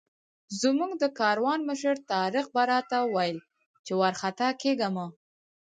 زموږ د کاروان مشر طارق به راته ویل چې وارخطا کېږه مه.